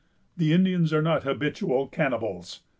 The Indians are not habitual cannibals.